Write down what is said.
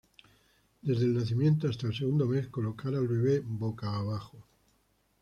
Desde el nacimiento hasta el segundo mes: colocar al bebe "boca abajo".